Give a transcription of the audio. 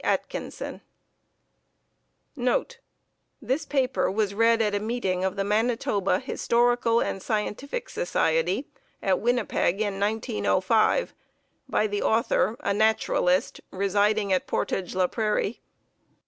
Atkinson [Footnote G: This paper was read at a meeting of the Manitoba Historical and Scientific Society at Winnepeg in 1905, by the author, a naturalist, residing at Portage la Prairie.